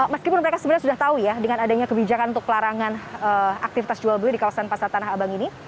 meskipun mereka sebenarnya sudah tahu ya dengan adanya kebijakan untuk pelarangan aktivitas jual beli di kawasan pasar tanah abang ini